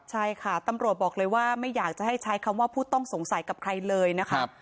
ใช่ค่ะตำรวจบอกเลยว่าไม่อยากจะให้ใช้คำว่าผู้ต้องสงสัยกับใครเลยนะคะ